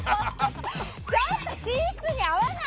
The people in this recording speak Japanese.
ちょっと寝室に合わないよ